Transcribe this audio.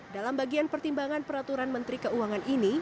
dalam bagian pertimbangan peraturan menteri keuangan ini